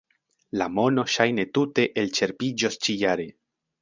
La mono ŝajne tute elĉerpiĝos ĉi-jare.